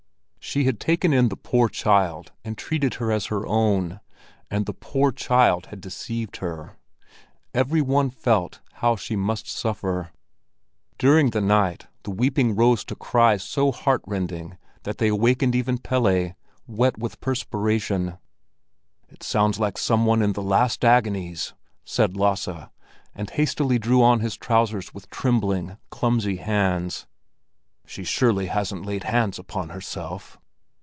She had taken in the poor child and treated her as her own, and the poor child had deceived her. Every one felt how she must suffer. During the night the weeping rose to cries so heart rending that they awakened even Pelle—wet with perspiration. "It sounds like some one in the last agonies!" said Lasse, and hastily drew on his trousers with trembling, clumsy hands. "She surely hasn't laid hands upon herself?"